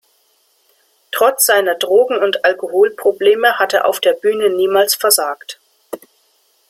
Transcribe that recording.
Trotz seiner Drogen- und Alkoholprobleme hat er auf der Bühne niemals versagt.